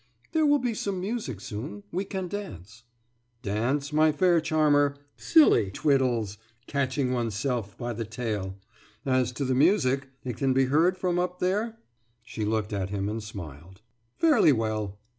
« »There will be some music soon. We can dance.« »Dance, my fair charmer? Silly twiddles, catching oneself by the tail. As to the music, it can be heard from up there?« She looked at him and smiled. »Fairly well.